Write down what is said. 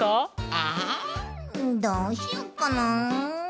えどうしよっかなあ。